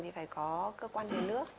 thì phải có cơ quan đề nước